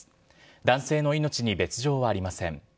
男性の命に別状はありません。